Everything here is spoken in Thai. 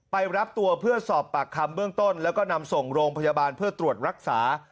ไปรับตัวเพื่อสอบปากคำเบื้องต้นแล้วก็นำส่งโรงพยาบาลเพื่อตรวจรักษา